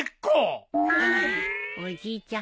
おじいちゃん